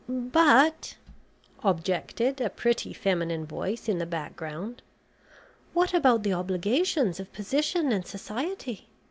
"But," objected a pretty feminine voice in the back ground, "what about the obligations of position and society?